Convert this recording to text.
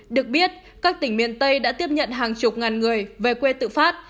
được biết các tỉnh miền tây đã tiếp nhận hàng chục ngàn người về quê tự phát